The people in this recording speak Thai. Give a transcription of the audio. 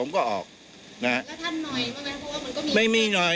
ไม่มี